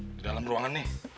di dalam ruangan nih